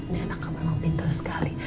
nah anak kamu memang pintar sekali